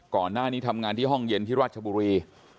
ก่อนหน้านี้ทำงานที่ห้องเย็นที่ราชบุรี